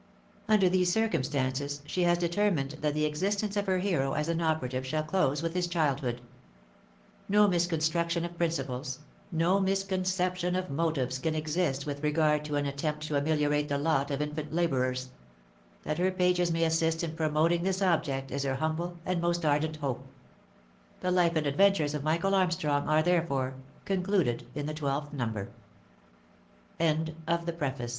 Under these circumstances she has determined that the existence of her hero as an operative shall close with his childhood. No miscon struction of principles, no misconception of motives can exist with regard to an attempt to ameliorate the lot of infant labourers. That her pages may assist in promoting this object is her humble and most ardent hope. " The Life and Adventures of Michael Armstrong" are, therefore, concluded in the twelfth number. CONTENTS.